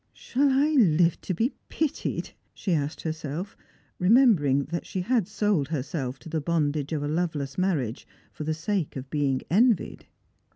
" Shall I live to be pitied P " she asked herself, remembering that she had sold herself to the bondage of a loveless marriage for the sake of being envied.